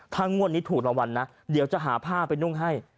ถ้างวดนี้ถูกรางวัลนะเดี๋ยวจะหาผ้าไปนุ่งให้